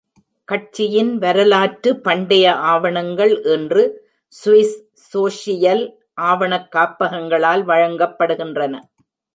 கட்சியின் வரலாற்று பண்டைய ஆவணங்கள் இன்று சுவிஸ் சோஷியல் ஆவணக் காப்பகங்களால் வழங்கப்படுகின்றன.